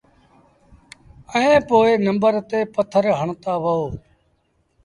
ائيٚݩ پو نمبر تي پٿر هڻتآ وهو۔